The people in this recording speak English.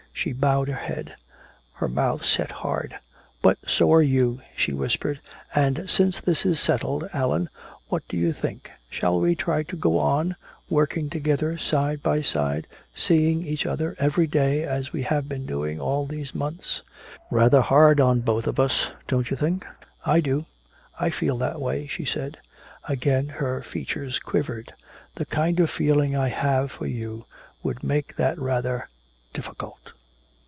She bowed her head, her mouth set hard. "But so are you," she whispered. "And since this is settled, Allan, what do you think? Shall we try to go on working together side by side seeing each other every day as we have been doing all these months? Rather hard on both of us, don't you think? I do, I feel that way," she said. Again her features quivered. "The kind of feeling I have for you would make that rather difficult!"